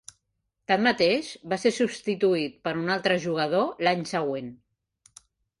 Tanmateix, va ser substituït per un altre jugador l'any següent.